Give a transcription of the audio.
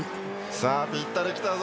さぁぴったりきたぞ。